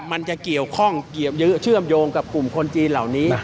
มันจะเกี่ยวข้องเยอะเชื่อมโยงกับกลุ่มคนจีนเหล่านี้